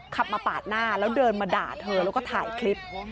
ขับมาปาดหน้าแล้วเดินมาด่าเธอแล้วก็ถ่ายคลิป